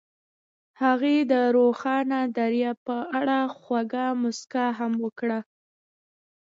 هغې د روښانه دریاب په اړه خوږه موسکا هم وکړه.